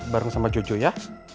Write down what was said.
bareng sama jojo ya